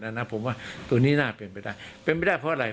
นะผมว่าตัวนี้น่าเป็นไปได้เป็นไปได้เพราะอะไร